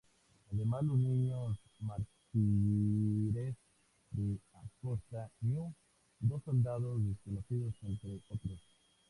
Además, los Niños Mártires de Acosta Ñu, dos Soldados Desconocidos, entre otros.